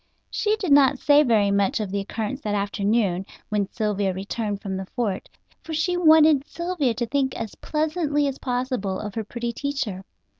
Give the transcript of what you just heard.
She did not say very much of the occurrence that afternoon, when Sylvia returned from the fort, for she wanted Sylvia to think as pleasantly as possible of her pretty teacher.